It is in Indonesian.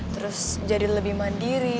terus jadi lebih mandiri